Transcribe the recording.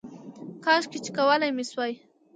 کاشکې چې کولی مې شوای